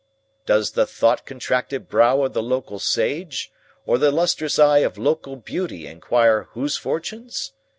Does the thought contracted brow of the local Sage or the lustrous eye of local Beauty inquire whose fortunes?